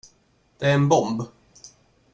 Det är en bomb.